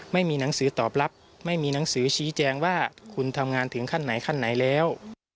ไม่มีหนังสือตอบรับไม่มีหนังสือชี้แจงว่าคุณทำงานถึงขั้นไหนขั้นไหนแล้ว